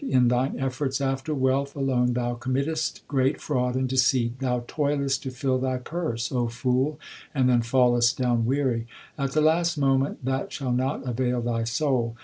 l In thine efforts after wealth alone thou committest great fraud and deceit ; Thou toilest to fill thy purse, O fool, and then fallest down weary : At the last moment that shall not avail thy soul.